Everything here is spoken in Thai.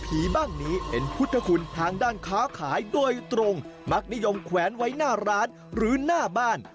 พร้อมโผล่งด้วยสายสินสามสี